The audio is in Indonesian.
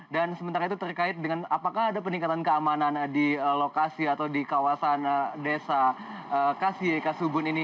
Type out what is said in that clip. dan sementara itu terkait dengan apakah ada peningkatan keamanan di lokasi atau di kawasan desa kasie kasubun ini